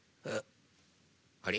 あれ？